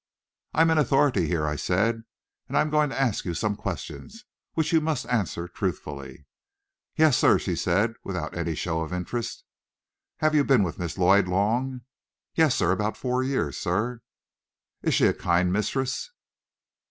"I'm in authority here," I said, "and I'm going to ask you some questions, which you must answer truthfully." "Yes, sir," she said, without any show of interest. "Have you been with Miss Lloyd long?" "Yes, sir; about four years, sir." "Is she a kind mistress?"